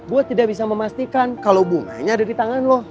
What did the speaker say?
gue tidak bisa memastikan kalau bunganya ada di tangan loh